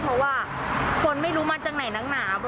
เพราะว่าคนไม่รู้มาจากไหนนักหนา